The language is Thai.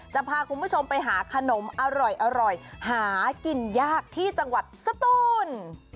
จะพาคุณผู้ชมไปหาขนมอร่อยหากินยากที่จังหวัดสตูน